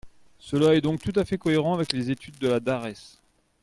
Cela est donc tout à fait cohérent avec les études de la DARES.